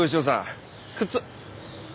靴？